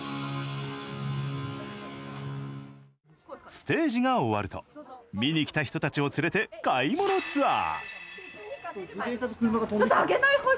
ステージが終わると見に来た人たちを連れて買い物ツアー。